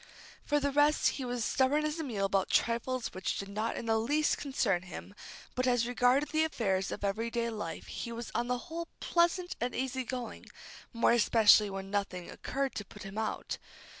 For the rest, he was stubborn as a mule about trifles which did not in the least concern him, but as regarded the affairs of every day life he was on the whole pleasant and easy going, more especially when nothing occurred to put him out.